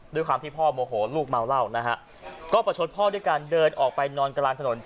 ด้วยความที่พ่อโมโหลูกเมาเหล้านะฮะก็ประชดพ่อด้วยการเดินออกไปนอนกลางถนน